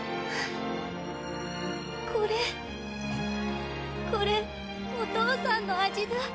これこれお父さんの味だ。